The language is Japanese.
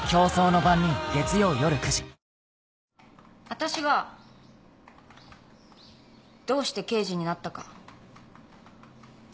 わたしがどうして刑事になったか。